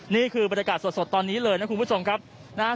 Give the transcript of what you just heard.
นี่คือบรรยากาศสดตอนนี้เลยนะคุณผู้ชมครับนะฮะ